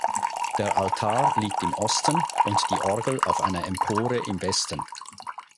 Der Altar liegt im Osten und die Orgel auf einer Empore im Westen.